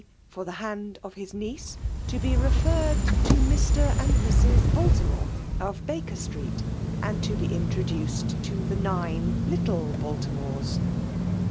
for the hand of his niece, to be referred lo Mr. and Mrs. Baltimore, of Baker Street, and to be introduced to the nine little BaUi mores.